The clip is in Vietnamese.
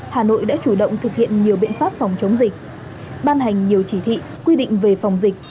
hà nội đã chủ động thực hiện nhiều biện pháp phòng chống dịch ban hành nhiều chỉ thị quy định về phòng dịch